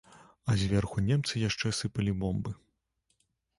А зверху немцы яшчэ сыпалі бомбы.